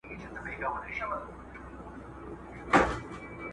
د بل په لاس مار مه وژنه.